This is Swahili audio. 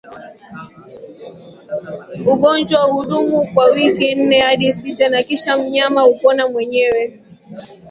Ugonjwa hudumu kwa wiki nne hadi sita na kisha mnyama hupona mwenyewe